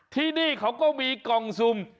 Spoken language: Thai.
ที่นี่เขาก็มีกล่องซุ่ม